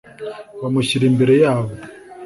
bamushyira imbere yabo